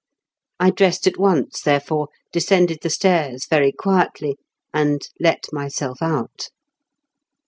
I dressed at once, therefore, descended the stairs very quietly, and let myself out."'